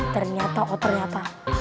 ternyata oh ternyata